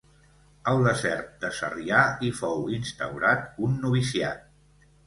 Al Desert de Sarrià hi fou instaurat un noviciat.